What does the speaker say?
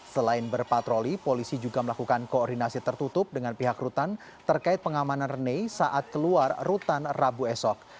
selain berpatroli polisi juga melakukan koordinasi tertutup dengan pihak rutan terkait pengamanan rene saat keluar rutan rabu esok